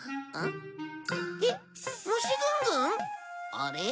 あれ？